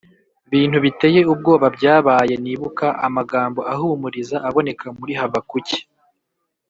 bintu biteye ubwoba byabaye Nibuka amagambo ahumuriza aboneka muri Habakuki